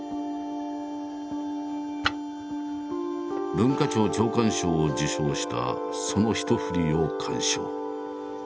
文化庁長官賞を受賞したその１ふりを鑑賞。